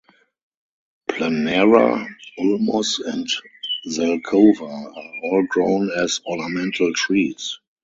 "Planera", "Ulmus", and "Zelkova" are all grown as ornamental trees.